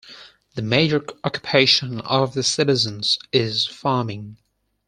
The major occupation of the citizens is farming.